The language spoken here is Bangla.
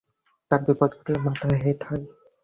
তার বিপরীত ঘটলে মাথা হেঁট হয়।